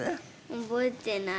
覚えてない。